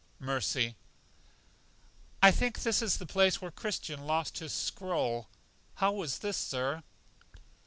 Mercy: I think this is the place where Christian lost his scroll. How was this, Sir?